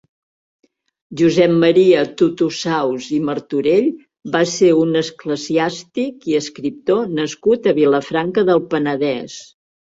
Josep Maria Totosaus i Martorell va ser un esclesiàstic i escriptor nascut a Vilafranca del Penedès.